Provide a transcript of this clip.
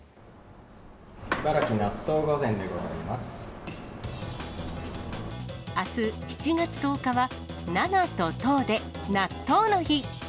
いばらき納豆御膳でございまあす、７月１０日は７と１０で、納豆の日。